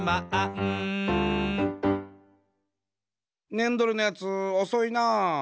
ねんどれのやつおそいなあ。